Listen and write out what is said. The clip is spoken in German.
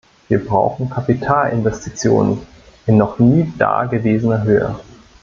Wir brauchen Kapitalinvestitionen in noch nie da gewesener Höhe.